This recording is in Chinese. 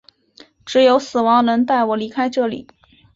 只有死亡能带我离开这里！